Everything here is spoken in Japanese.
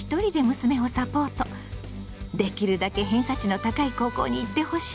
「できるだけ偏差値の高い高校に行ってほしい！」。